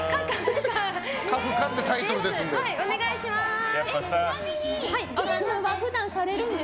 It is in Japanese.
カフカってタイトルですんで。